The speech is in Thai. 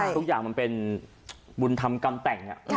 ทุกอย่างมันเป็นบุญธรรมกำแต่ง